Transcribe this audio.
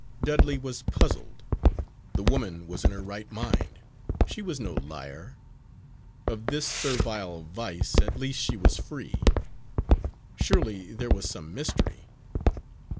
Dudley was puzzled. The woman was in her right mind; she was no liar of this servile vice at least she was free. Surely there was some mystery.